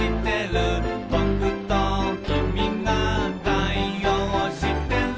「ぼくときみが対応してる」